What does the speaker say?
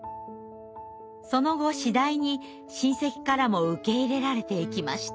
その後次第に親戚からも受け入れられていきました。